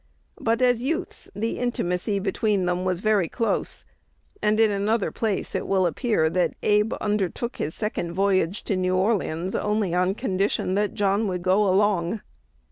But, as youths, the intimacy between them was very close; and in another place it will appear that Abe undertook his second voyage to New Orleans only on condition that John would go along.